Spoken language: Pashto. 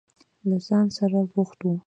له ځان سره بوخت و.